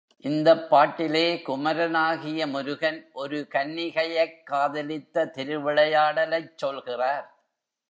இந்தப் பாட்டிலே குமரனாகிய முருகன் ஒரு கன்னிகையைக் காதலித்த திருவிளையாடலைச் சொல்கிறார்.